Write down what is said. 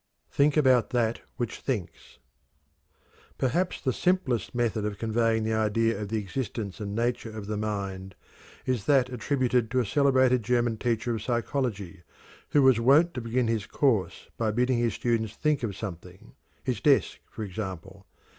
"THINK ABOUT THAT WHICH THINKS." Perhaps the simplest method of conveying the idea of the existence and nature of the mind is that attributed to a celebrated German teacher of psychology who was wont to begin his course by bidding his students think of something, his desk, for example.